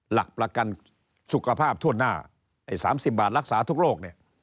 หลักประกันสุขภาพทั่วหน้าไอ้๓๐บาทรักษาทุกโรคเนี่ย